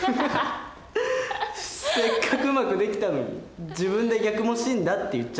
せっかくうまくできたのに自分で逆も真だって言っちゃったね。